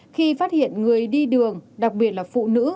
khi phát hiện người đi đường đặc biệt là phụ nữ